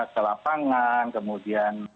ke lapangan kemudian